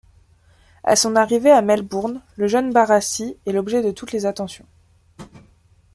À son arrivée à Melbourne le jeune Barassi est l'objet de toutes les attentions.